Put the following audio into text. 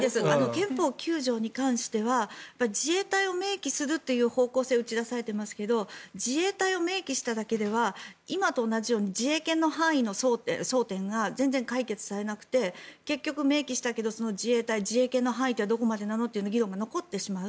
憲法９条に関しては自衛隊を明記するという方向性を打ち出されてますけど自衛隊を明記しただけでは今と同じように自衛権の範囲の争点が全然解決されなくて結局、明記したけど自衛隊、自衛権の範囲はどこまでなのという議論が残ってしまう。